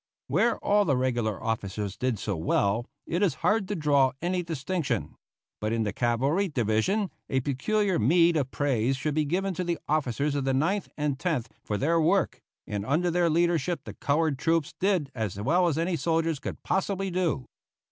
Where all the regular officers did so well, it is hard to draw any distinction; but in the cavalry division a peculiar meed of praise should be given to the officers of the Ninth and Tenth for their work, and under their leadership the colored troops did as well as any soldiers could possibly do.